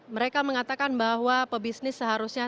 mereka mengatakan bahwa pebisnis seharusnya